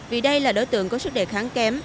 vì đây là đối tượng có sức đề kháng kém